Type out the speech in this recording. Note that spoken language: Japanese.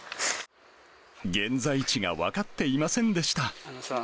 現在地が分かっていませんでした。